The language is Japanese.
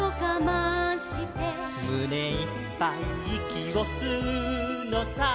「むねいっぱいいきをすうのさ」